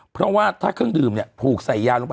เพราะว่าถ้าเครื่องดื่มเนี่ยผูกใส่ยาลงไป